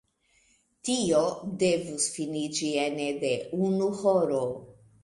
Tio devus finiĝi ene de unu horo.